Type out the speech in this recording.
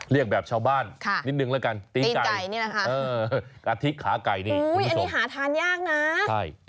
เรียกแบบชาวบ้านนิดนึงแล้วกันตีนไก่อาทิตย์ขาไก่นี่คุณผู้ชมอูยอันนี้หาทานยากนะ